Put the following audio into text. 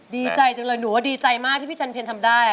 ดีใจจังเลยหนูว่าดีใจมากที่พี่จันเพลทำได้